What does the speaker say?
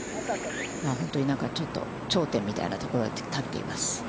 本当になんかちょっと、頂点みたいなところに立っています。